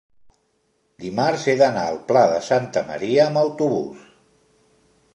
dimarts he d'anar al Pla de Santa Maria amb autobús.